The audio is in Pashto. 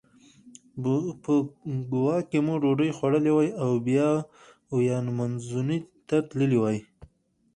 په کووا کې مو ډوډۍ خوړلې وای او بیا ویامنزوني ته تللي وای.